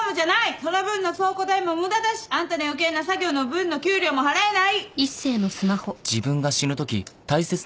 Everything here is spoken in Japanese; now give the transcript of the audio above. その分の倉庫代も無駄だしあんたの余計な作業の分の給料も払えない！